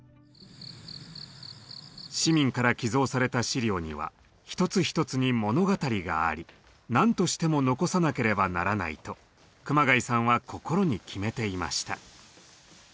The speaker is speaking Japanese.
市民から寄贈された資料には一つ一つに物語があり何としても残さなければならないと熊谷さんは心に決めていました。